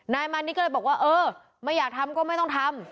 มานิดก็เลยบอกว่าเออไม่อยากทำก็ไม่ต้องทำ